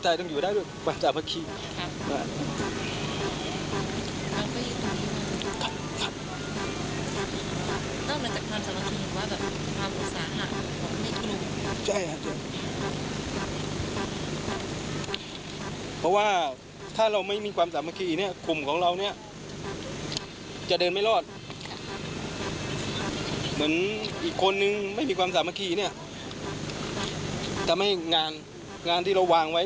ทำให้งานที่เราวางไว้มันยังไม่เป็นประสบความเท่าไหร่